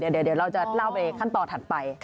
เดี๋ยวเราจะเล่าไปขั้นตอนถัดไป